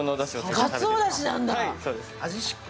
かつおだしなんだ。